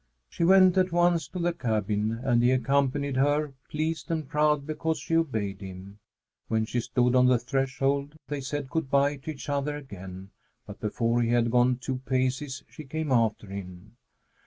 She went at once to the cabin, and he accompanied her, pleased and proud because she obeyed him. When she stood on the threshold, they said good bye to each other again; but before he had gone two paces, she came after him.